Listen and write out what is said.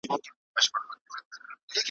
خو د عقل څښتن کړی یې انسان دی ,